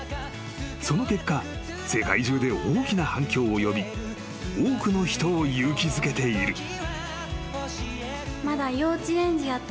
［その結果世界中で大きな反響を呼び多くの人を勇気づけている］